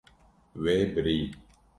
Wê birî.